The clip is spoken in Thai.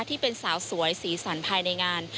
ที่เป็นสาวสวยสีสันภายในงาน